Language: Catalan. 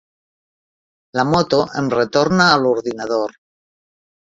La moto em retorna a l'ordinador.